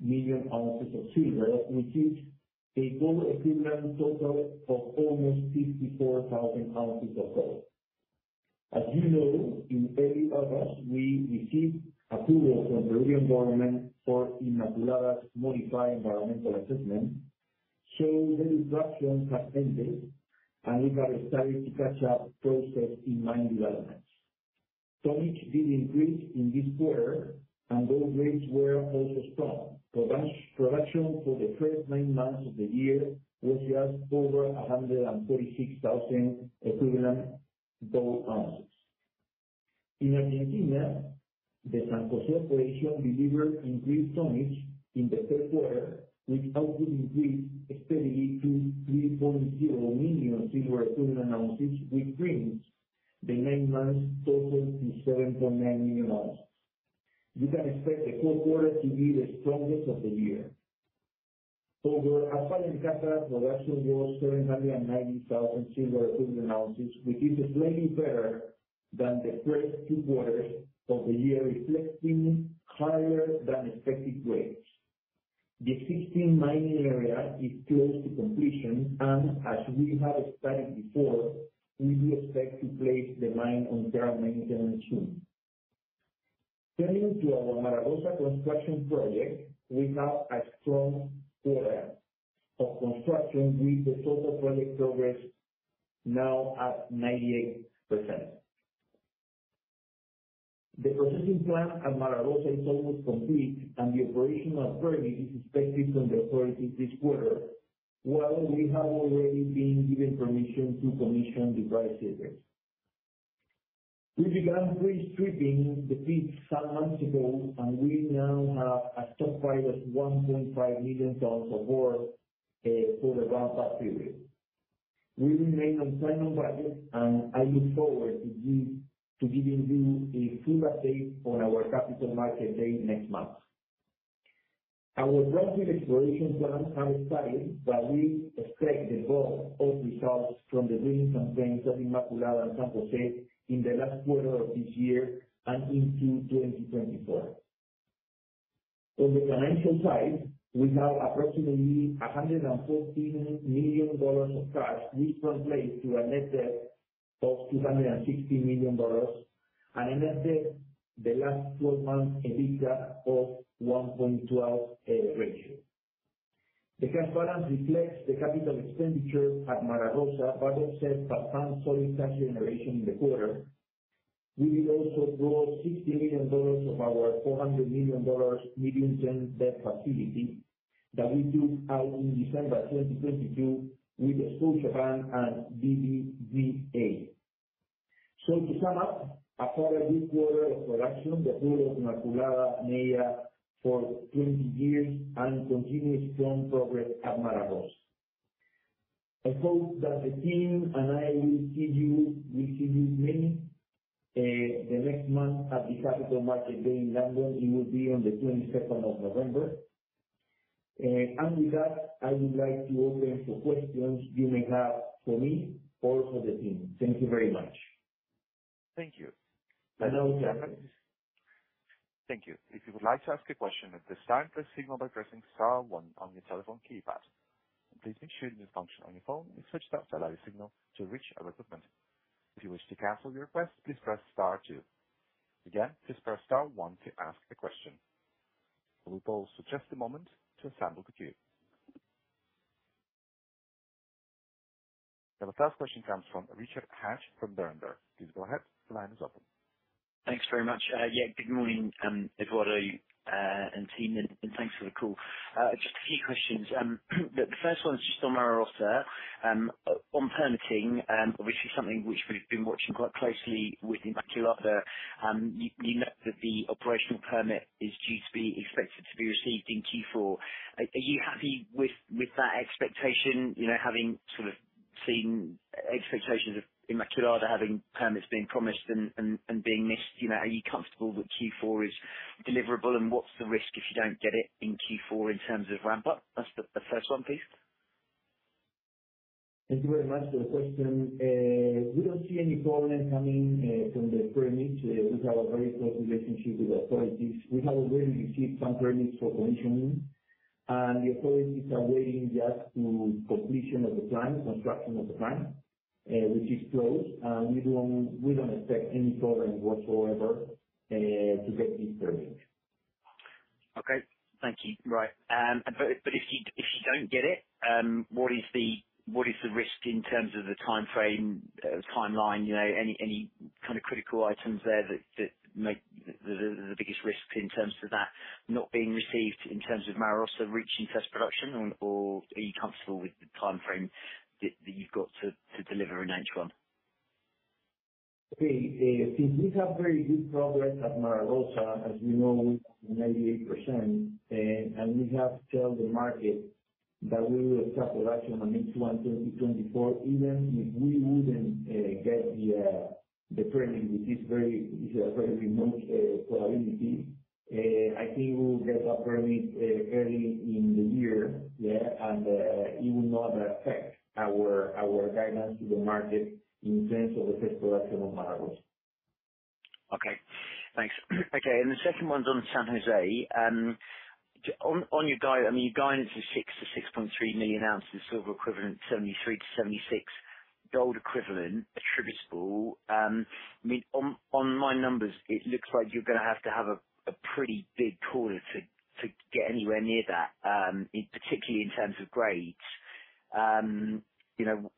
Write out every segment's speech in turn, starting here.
Million ounces of silver, which is a gold equivalent total of almost 54,000 ounces of gold. As you know, in early August, we received approval from the Peruvian government for Inmaculada's modified environmental assessment, so the disruptions have ended, and we have started to catch up process in mine developments. Tonnage did increase in this quarter, and gold grades were also strong. Production for the first nine months of the year was just over 136,000 equivalent gold ounces. In Argentina, the San Jose operation delivered increased tonnage in the third quarter, which helped increase steadily to 3.0 million silver equivalent ounces, which brings the nine months total to 7.9 million ounces. You can expect the fourth quarter to be the strongest of the year. Our production was 790,000 silver equivalent ounces, which is slightly better than the first two quarters of the year, reflecting higher than expected grades. The existing mining area is close to completion, and as we have stated before, we do expect to place the mine on care and maintenance soon. Turning to our Mara Rosa construction project, we have a strong quarter of construction, with the total project progress now at 98%. The processing plant at Mara Rosa is almost complete, and the operational permit is expected from the authorities this quarter, while we have already been given permission to commission the dry circuit. We began pre-stripping the pit some months ago, and we now have a stockpile of 1.5 million tons of ore for the ramp-up period. We remain on plan and budget, and I look forward to give, to giving you a fuller update on our Capital Markets Day next month. Our broader exploration plans are exciting, but we expect the bulk of results from the drilling campaigns at Inmaculada and San Jose in the last quarter of this year and into 2024. On the financial side, we have approximately $114 million of cash, which translates to a net debt of $260 million and a net debt, the last twelve months, EBITDA of 1.12 ratio. The cash balance reflects the capital expenditure at Mara Rosa, but offset by strong solid cash generation in the quarter. We will also draw $60 million of our $400 million medium-term debt facility that we took out in December 2022 with Scotiabank and BBVA. So to sum up, a solid good quarter of production, the gold of Inmaculada mine are for 20 years and continued strong progress at Mara Rosa. I hope that the team and I will see you many the next month at the Capital Markets Day in London. It will be on the 22nd of November. And with that, I would like to open for questions you may have for me or for the team. Thank you very much. Thank you. Hello, gentlemen. Thank you. If you would like to ask a question at this time, press signal by pressing star one on your telephone keypad. Please make sure this function on your phone is switched up to allow a signal to reach our equipment. If you wish to cancel your request, please press star two. Again, please press star one to ask a question. We would also just a moment to assemble the queue. Now the first question comes from Richard Hatch from Berenberg. Please go ahead. The line is open. Thanks very much. Yeah, good morning, Eduardo, and team, and thanks for the call. Just a few questions. The first one is just on Mara Rosa, on permitting, which is something which we've been watching quite closely with Inmaculada. You note that the operational permit is due to be expected to be received in Q4. Are you happy with that expectation? You know, having sort of seen expectations of Inmaculada having permits being promised and being missed. You know, are you comfortable that Q4 is deliverable, and what's the risk if you don't get it in Q4 in terms of ramp up? That's the first one, please. Thank you very much for the question. We don't see any problem coming from the permits. We have a very close relationship with the authorities. We have already received some permits for commissioning, and the authorities are waiting just to completion of the plant, construction of the plant, which is close. We don't expect any problems whatsoever to get these permits. Okay. Thank you. Right, but, but if you, if you don't get it, what is the, what is the risk in terms of the timeframe, timeline, you know, any, any kind of critical items there that, that make the, the, the biggest risk in terms of that not being received in terms of Mara Rosa reaching first production, or, or are you comfortable with the timeframe that, that you've got to, to deliver in H1? Okay. Since we have very good progress at Mariposa, as you know, 98%, and we have told the market that we will start production on H1 2024, even if we wouldn't get the permit, which is very a very remote probability. I think we'll get a permit early in the year. Yeah, and it will not affect our guidance to the market in terms of the first production of Mariposa.... Okay, thanks. Okay, and the second one's on San Jose. On your guide, I mean, your guidance is 6-6.3 million ounces of silver equivalent, 73-76 gold equivalent, attributable. I mean, on my numbers, it looks like you're gonna have to have a pretty big quarter to get anywhere near that, in particularly in terms of grades. You know,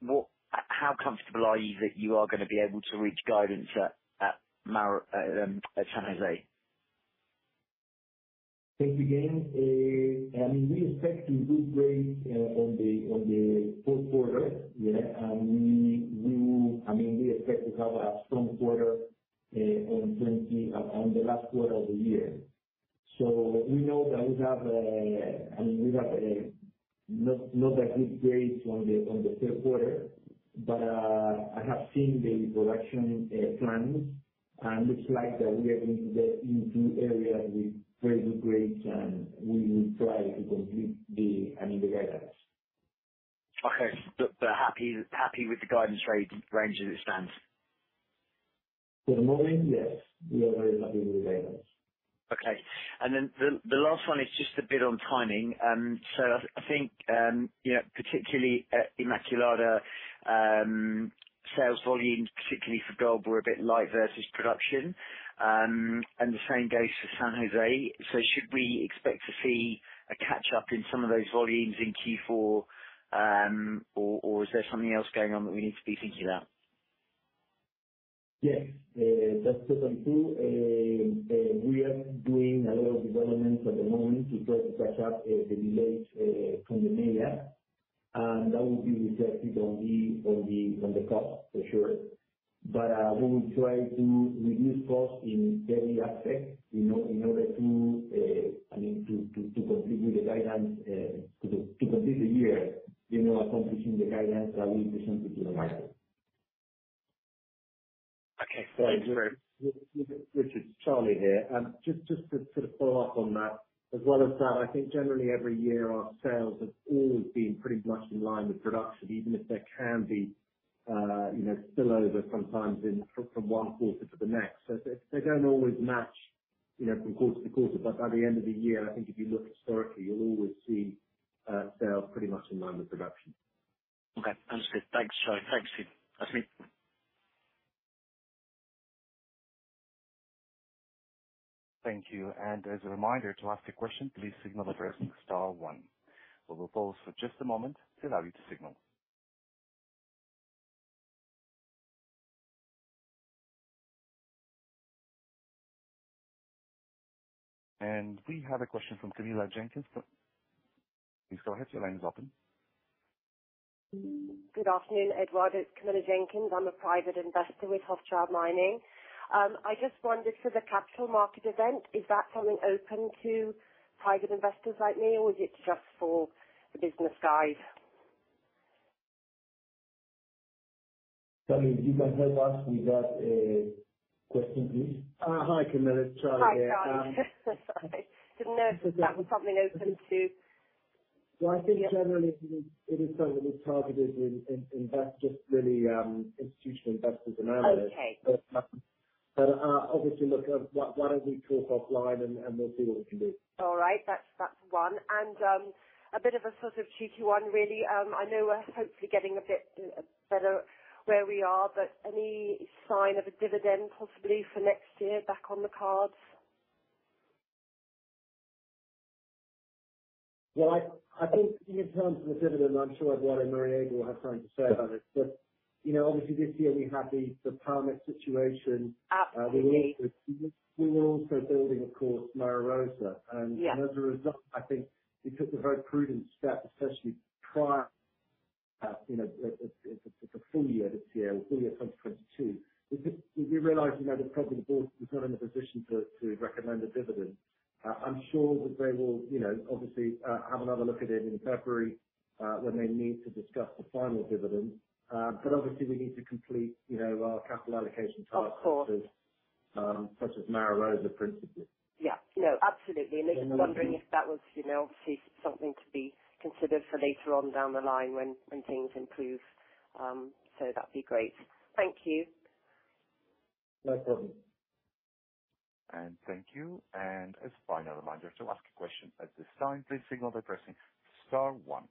how comfortable are you that you are gonna be able to reach guidance at San Jose? Thanks again. I mean, we expect to good grade on the fourth quarter. Yeah, and I mean, we expect to have a strong quarter on 20 on the last quarter of the year. So we know that we have, I mean, we have a not that good grades on the third quarter, but I have seen the production plans, and it looks like that we are going to get into areas with very good grades, and we will try to complete the, I mean, the guidance. Okay. But happy with the guidance rate range as it stands? For the moment, yes. We are very happy with the guidance. Okay. And then the last one is just a bit on timing. So I think, you know, particularly at Inmaculada, sales volumes, particularly for gold, were a bit light versus production. And the same goes for San Jose. So should we expect to see a catch-up in some of those volumes in Q4? Or is there something else going on that we need to be thinking about? Yes. That's true. We are doing a lot of development at the moment to try to catch up the delays from the MEIA. And that will be reflected on the cost, for sure. But we will try to reduce costs in every aspect, in order to, I mean, to complete the guidance, to complete the year, you know, accomplishing the guidance that we presented to the market. Okay, thanks very much. Richard, Charlie here. Just, just to sort of follow up on that, as well as that, I think generally every year our sales have always been pretty much in line with production, even if there can be, you know, spillover sometimes in from one quarter to the next. So they, they don't always match, you know, from quarter to quarter. But by the end of the year, I think if you look historically, you'll always see, sales pretty much in line with production. Okay. Understood. Thanks, Charlie. Thanks. Thank you. And as a reminder, to ask a question, please signal by pressing star one. We will pause for just a moment to allow you to signal. And we have a question from Camilla Jenkins. Please go ahead. Your line is open. Good afternoon, Eduardo. It's Camilla Jenkins. I'm a private investor with Hochschild Mining. I just wondered for the capital market event, is that something open to private investors like me, or is it just for the business guys? Charlie, you can help us with that question, please? Hi, Camilla. It's Charlie here. Hi, Charlie. Sorry. Didn't know if that was something open to- I think generally it is something that's targeted in just really institutional investors and analysts. Okay. Obviously, look, why don't we talk offline and we'll see what we can do. All right. That's one. And, a bit of a sort of cheeky one, really. I know we're hopefully getting a bit better where we are, but any sign of a dividend possibly for next year back on the cards? Well, I think in terms of the dividend, I'm sure Eduardo and Marie Angel will have something to say about it. But, you know, obviously this year we had the permit situation. Absolutely. We were also building, of course, Mara Rosa. Yeah. As a result, I think we took a very prudent step, especially prior, you know, the full year this year or full year of 2022. We just, we realized, you know, the president of the board was not in a position to recommend a dividend. I'm sure that they will, you know, obviously, have another look at it in February, when they meet to discuss the final dividend. But obviously we need to complete, you know, our capital allocation targets- Of course. such as Mara Rosa, principally. Yeah. No, absolutely. And then the- I was wondering if that was, you know, obviously something to be considered for later on down the line when things improve. So that'd be great. Thank you. No problem. And thank you. And as final reminder, to ask a question at this time, please signal by pressing star one.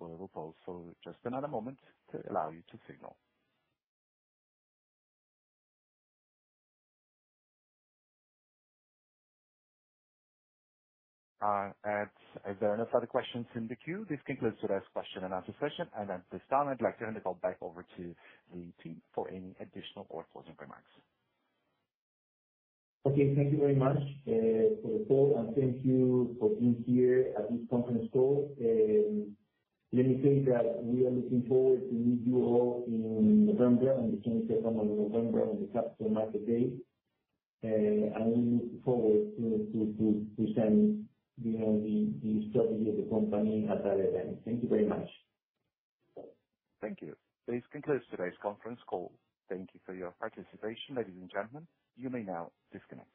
We will pause for just another moment to allow you to signal. As there are no further questions in the queue, this concludes today's question and answer session. And at this time, I'd like to hand the call back over to the team for any additional or closing remarks. Okay, thank you very much for the call, and thank you for being here at this conference call. Let me say that we are looking forward to meet you all in November, on the twenty-second of November, on the Capital Markets Day. And we look forward to presenting, you know, the strategy of the company at that event. Thank you very much. Thank you. This concludes today's conference call. Thank you for your participation, ladies and gentlemen. You may now disconnect.